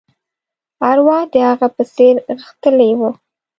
ارواح د هغه په څېر غښتلې وه.